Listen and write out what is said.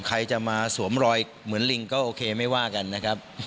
ใครจะมาสวมรอยเหมือนลิงก็โอเคไม่ว่ากันนะครับ